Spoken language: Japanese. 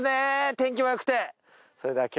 天気もよくて。